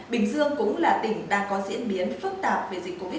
bình dương cũng là tỉnh đang có diễn biến phức tạp về dịch covid một mươi chín